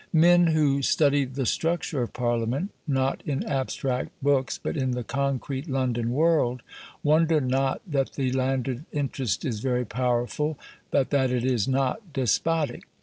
Men who study the structure of Parliament, not in abstract books, but in the concrete London world, wonder not that the landed interest is very powerful, but that it is not despotic.